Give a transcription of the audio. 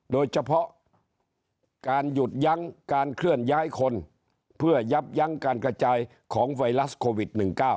โดยเฉพาะการหยุดยั้งการเคลื่อนย้ายคนเพื่อยับยั้งการกระจายของไวรัสโควิด๑๙